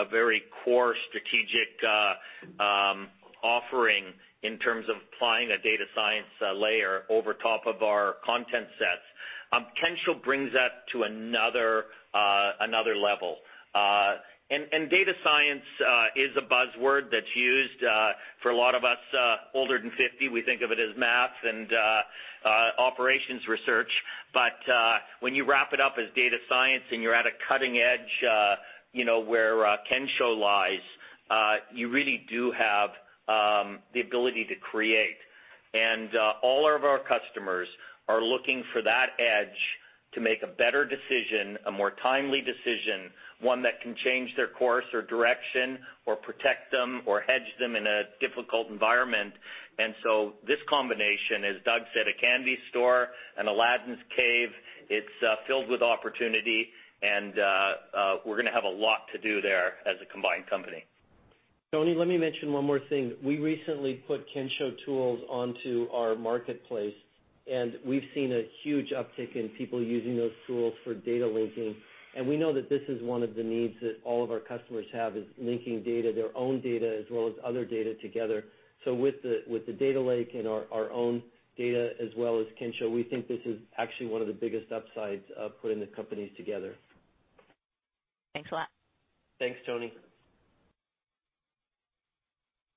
a very core strategic offering in terms of applying a data science layer over top of our content sets. Kensho brings that to another level. Data science is a buzzword that's used for a lot of us older than 50. We think of it as math and operations research. When you wrap it up as data science and you're at a cutting edge where Kensho lies, you really do have the ability to create. All of our customers are looking for that edge to make a better decision, a more timely decision, one that can change their course or direction, or protect them or hedge them in a difficult environment. This combination, as Doug said, a candy store, an Aladdin's cave. It's filled with opportunity and we're going to have a lot to do there as a combined company. Toni, let me mention one more thing. We recently put Kensho tools onto our marketplace, and we've seen a huge uptick in people using those tools for data linking. We know that this is one of the needs that all of our customers have, is linking data, their own data, as well as other data together. With the data lake and our own data as well as Kensho, we think this is actually one of the biggest upsides of putting the companies together. Thanks a lot. Thanks, Toni.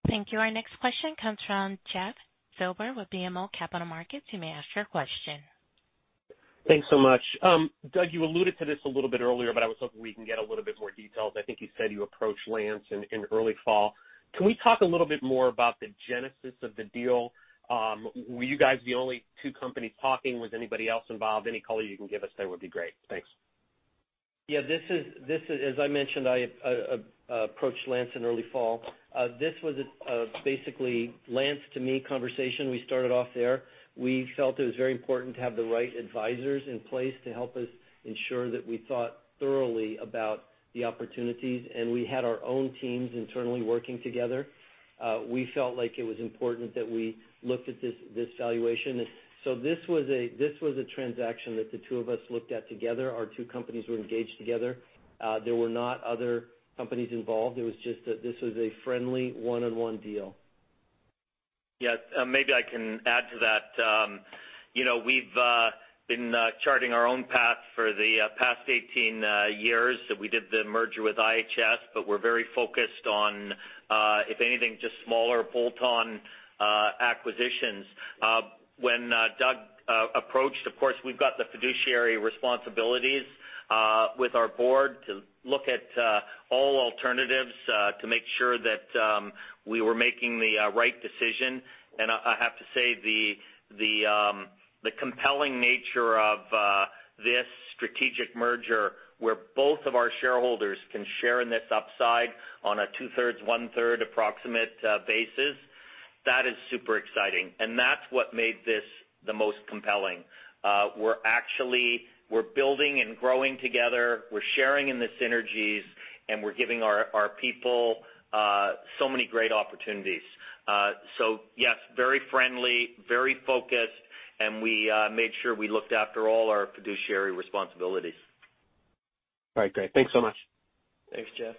Thank you. Our next question comes from Jeff Silber with BMO Capital Markets. You may ask your question. Thanks so much. Doug, you alluded to this a little bit earlier, but I was hoping we can get a little bit more details. I think you said you approached Lance in early fall. Can we talk a little bit more about the genesis of the deal? Were you guys the only two companies talking? Was anybody else involved? Any color you can give us there would be great. Thanks. Yeah. As I mentioned, I approached Lance in early fall. This was basically Lance to me conversation. We started off there. We felt it was very important to have the right advisors in place to help us ensure that we thought thoroughly about the opportunities, and we had our own teams internally working together. We felt like it was important that we looked at this valuation. This was a transaction that the two of us looked at together. Our two companies were engaged together. There were not other companies involved. This was a friendly one-on-one deal. Yes. Maybe I can add to that. We've been charting our own path for the past 18 years. We did the merger with IHS, but we're very focused on if anything, just smaller bolt-on acquisitions. When Doug approached, of course, we've got the fiduciary responsibilities with our board to look at all alternatives to make sure that we were making the right decision. I have to say, the compelling nature of this strategic merger where both of our shareholders can share in this upside on a 2/3, 1/3 approximate basis, that is super exciting. That's what made this the most compelling. We're building and growing together. We're sharing in the synergies, and we're giving our people so many great opportunities. Yes, very friendly, very focused, and we made sure we looked after all our fiduciary responsibilities. All right, great. Thanks so much. Thanks, Jeff.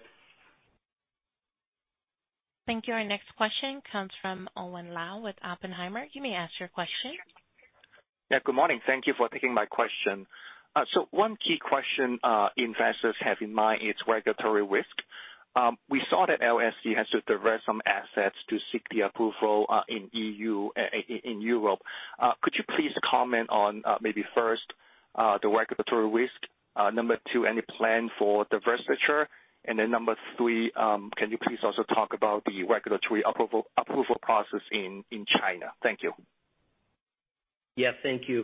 Thank you. Our next question comes from Owen Lau with Oppenheimer. You may ask your question. Yeah. Good morning. Thank you for taking my question. One key question investors have in mind is regulatory risk. We saw that LSEG has to divest some assets to seek the approval in Europe. Could you please comment on maybe first the regulatory risk? Number two, any plan for divestiture? Then number three, can you please also talk about the regulatory approval process in China? Thank you. Yeah, thank you.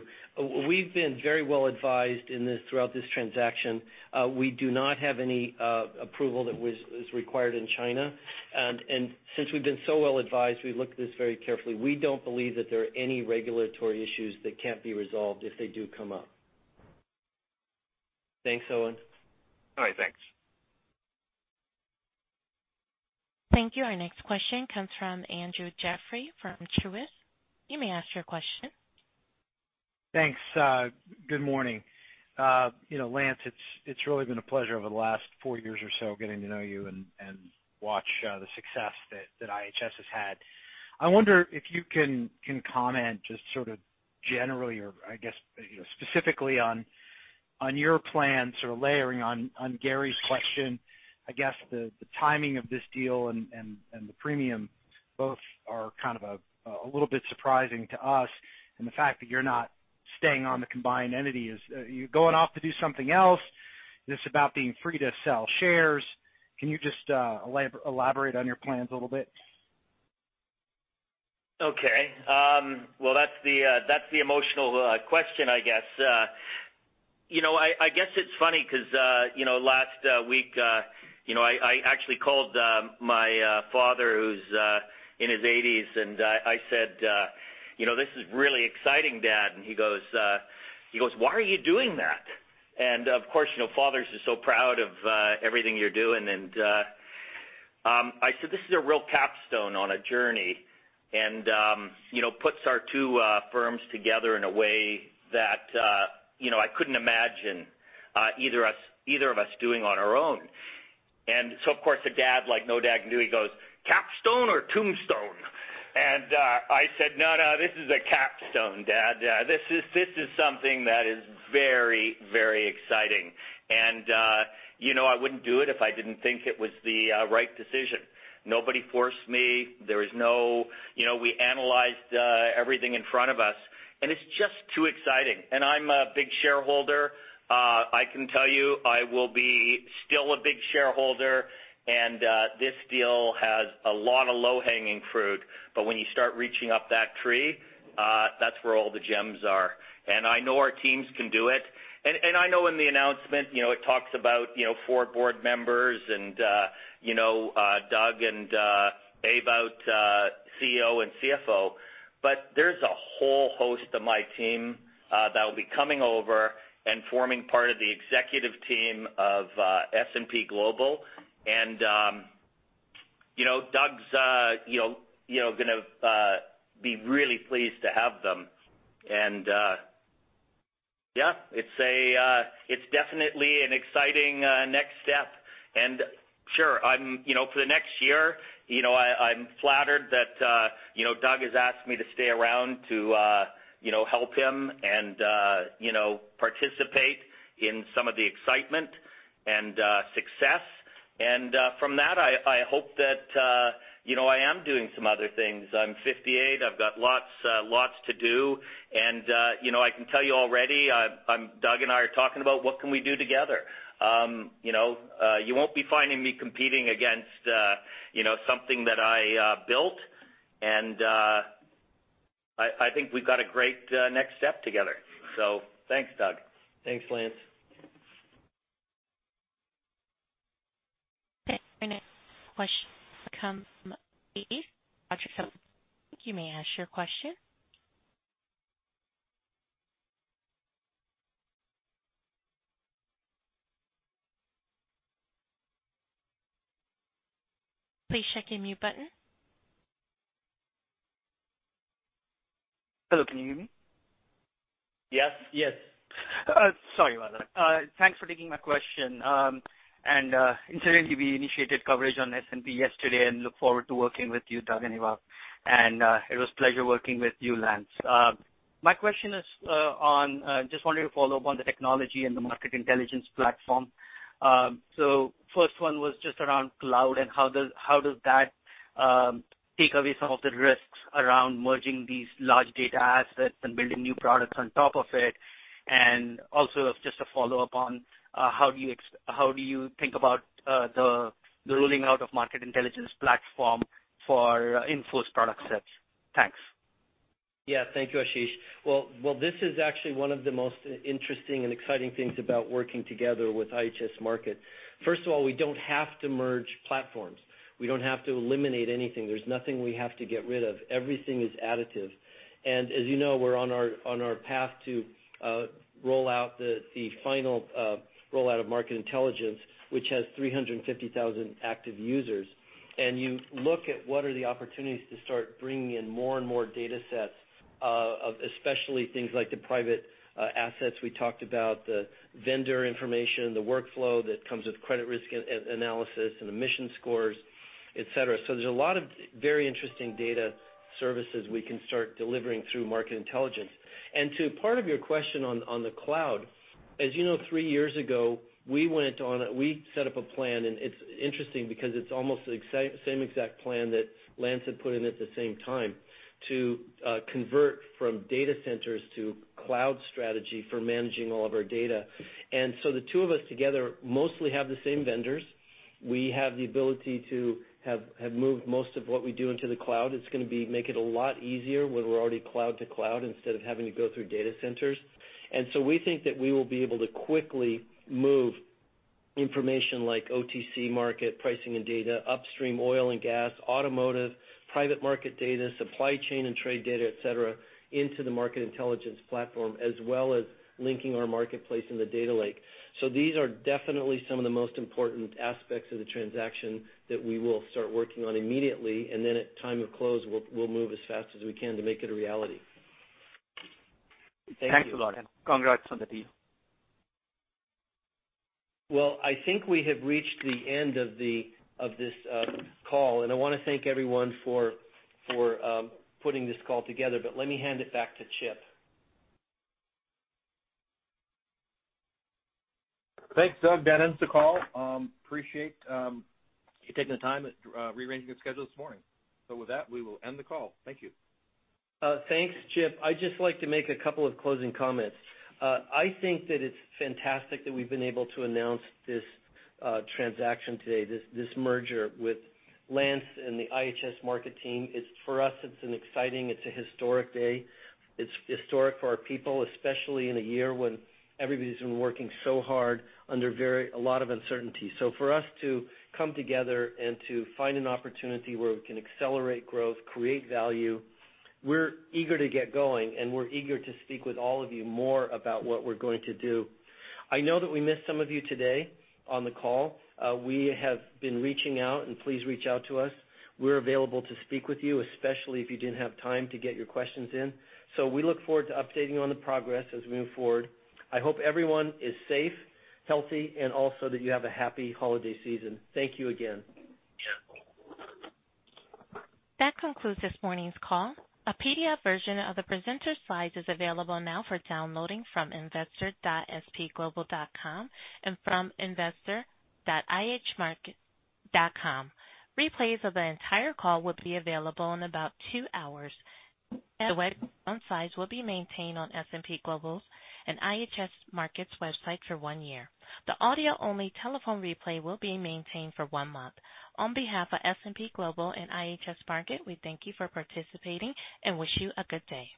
We've been very well advised throughout this transaction. We do not have any approval that is required in China. Since we've been so well advised, we looked at this very carefully. We don't believe that there are any regulatory issues that can't be resolved if they do come up. Thanks, Owen. All right, thanks. Thank you. Our next question comes from Andrew Jeffrey from Truist. You may ask your question. Thanks. Good morning. Lance, it's really been a pleasure over the last four years or so getting to know you and watch the success that IHS has had. I wonder if you can comment just sort of generally, or I guess specifically on your plans or layering on Gary's question, I guess the timing of this deal and the premium both are kind of a little bit surprising to us. The fact that you're not staying on the combined entity. Are you going off to do something else? Is this about being free to sell shares? Can you just elaborate on your plans a little bit? Well, that's the emotional question, I guess. I guess it's funny because last week I actually called my father, who's in his 80s, and I said, "This is really exciting, Dad." He goes, "Why are you doing." Of course, fathers are so proud of everything you're doing. I said, "This is a real capstone on a journey, and puts our two firms together in a way that I couldn't imagine either of us doing on our own." Of course, a dad, like no dad can do, he goes, "Capstone or tombstone?" I said, "No, this is a capstone, Dad. This is something that is very exciting." I wouldn't do it if I didn't think it was the right decision. Nobody forced me. We analyzed everything in front of us, and it's just too exciting. I'm a big shareholder. I can tell you I will be still a big shareholder, this deal has a lot of low-hanging fruit. When you start reaching up that tree, that's where all the gems are. I know our teams can do it. I know in the announcement, it talks about four board members and Doug and Ewout our CEO and CFO. There's a whole host of my team that will be coming over and forming part of the executive team of S&P Global. Doug's going to be really pleased to have them. Yeah, it's definitely an exciting next step. Sure, for the next year, I'm flattered that Doug has asked me to stay around to help him and participate in some of the excitement and success. From that, I hope that I am doing some other things. I'm 58. I've got lots to do. I can tell you already, Doug and I are talking about what can we do together. You won't be finding me competing against something that I built. I think we've got a great next step together. Thanks, Doug. Thanks, Lance. Our next question comes from [Ashish Sabadra] from [Deutsche Bank]. You may ask your question. Please check your mute button. Hello, can you hear me? Yes. Sorry about that. Thanks for taking my question. Incidentally, we initiated coverage on S&P yesterday and look forward to working with you, Doug. It was a pleasure working with you, Lance. My question is on, just wanted to follow up on the technology and the market intelligence platform. First one was just around cloud and how does that take away some of the risks around merging these large data assets and building new products on top of it? Also just a follow-up on how do you think about the ruling out of market intelligence platform for in-force product sets? Thanks. Yeah. Thank you, Ashish. Well, this is actually one of the most interesting and exciting things about working together with IHS Markit. First of all, we don't have to merge platforms. We don't have to eliminate anything. There's nothing we have to get rid of. Everything is additive. As you know, we're on our path to the final rollout of Market Intelligence, which has 350,000 active users. You look at what are the opportunities to start bringing in more and more data sets, especially things like the private assets we talked about, the vendor information, the workflow that comes with credit risk analysis and emission scores, et cetera. There's a lot of very interesting data services we can start delivering through Market Intelligence. To part of your question on the cloud, as you know, three years ago, we set up a plan, and it's interesting because it's almost the same exact plan that Lance had put in at the same time to convert from data centers to cloud strategy for managing all of our data. The two of us together mostly have the same vendors. We have the ability to have moved most of what we do into the cloud. It's going to make it a lot easier when we're already cloud to cloud instead of having to go through data centers. We think that we will be able to quickly move information like OTC market pricing and data, upstream oil and gas, automotive, private market data, supply chain and trade data, etc., into the Market Intelligence platform, as well as linking our marketplace in the Data Lake. These are definitely some of the most important aspects of the transaction that we will start working on immediately. At time of close, we'll move as fast as we can to make it a reality. Thanks a lot. congrats on the deal. I think we have reached the end of this call, and I want to thank everyone for putting this call together. Let me hand it back to Chip. Thanks, Doug, Lance on the call. Appreciate you taking the time, rearranging your schedule this morning. With that, we will end the call. Thank you. Thanks, Chip. I'd just like to make a couple of closing comments. I think that it's fantastic that we've been able to announce this transaction today, this merger with Lance and the IHS Markit team. For us, it's an exciting, it's a historic day. It's historic for our people, especially in a year when everybody's been working so hard under a lot of uncertainty. For us to come together and to find an opportunity where we can accelerate growth, create value, we're eager to get going, and we're eager to speak with all of you more about what we're going to do. I know that we missed some of you today on the call. We have been reaching out, and please reach out to us. We're available to speak with you, especially if you didn't have time to get your questions in. We look forward to updating you on the progress as we move forward. I hope everyone is safe, healthy, and also that you have a happy holiday season. Thank you again. Yeah. That concludes this morning's call. A PDF version of the presenter slides is available now for downloading from investor.spglobal.com and from investor.ihsmarkit.com. Replays of the entire call will be available in about two hours. The slides will be maintained on S&P Global's and IHS Markit's website for one year. The audio-only telephone replay will be maintained for one month. On behalf of S&P Global and IHS Markit, we thank you for participating and wish you a good day.